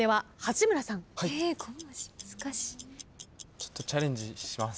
ちょっとチャレンジします。